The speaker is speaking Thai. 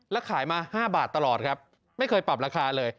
แล้วขายมา๕บาทตลอดครับไม่เคยปรับราคาเลย